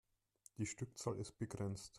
Die Stückzahl ist begrenzt.